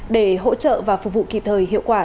để hỗ trợ và phục vụ kịp thời hiệu quả